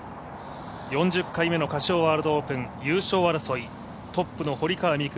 ４０回目のカシオワールドオープン、優勝争い、トップの堀川未来